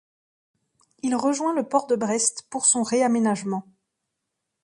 Il rejoint le port de Brest pour son réaménagement.